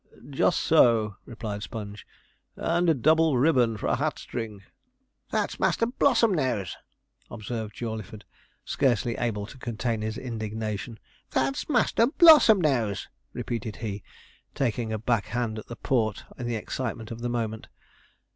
'Just so,' replied Sponge; 'and a double ribbon for a hat string.' 'That's Master Blossomnose,' observed Jawleyford, scarcely able to contain his indignation. 'That's Master Blossomnose,' repeated he, taking a back hand at the port in the excitement of the moment.